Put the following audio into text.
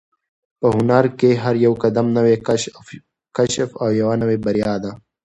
په هنر کې هر قدم یو نوی کشف او یوه نوې بریا ده.